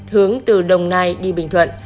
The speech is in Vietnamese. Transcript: hướng từ đồng nai đi bình thuận